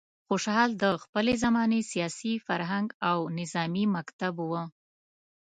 خوشحال د خپلې زمانې سیاست، فرهنګ او نظامي مکتب و.